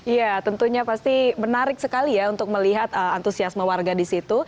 ya tentunya pasti menarik sekali ya untuk melihat antusiasme warga di situ